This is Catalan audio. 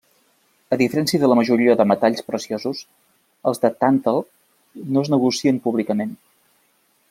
A diferència de la majoria de metalls preciosos, els de tàntal no es negocien públicament.